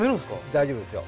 大丈夫ですよ。